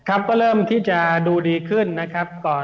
ครับก็เริ่มที่จะดูดีขึ้นนะครับ